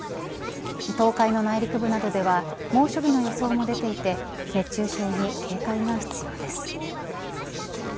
東海の内陸部などでは猛暑日の予想も出ていて熱中症に警戒が必要です。